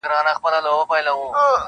واورۍ له ارغند تر اباسین پوري پرتو خلکو -